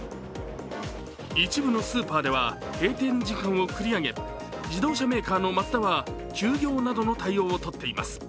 一部のスーパーでは閉店時間を繰り上げ自動車メーカーのマツダは休業などの対応をとっています